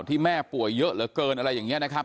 แม่ป่วยเยอะเหลือเกินอะไรอย่างนี้นะครับ